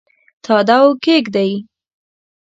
تاداو کښېږدي